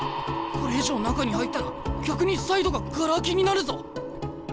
これ以上中に入ったら逆にサイドがガラ空きになるぞ。